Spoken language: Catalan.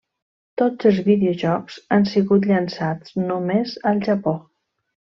Tots els videojocs han sigut llançats només al Japó.